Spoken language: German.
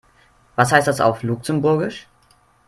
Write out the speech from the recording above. Was heißt das auf Luxemburgisch?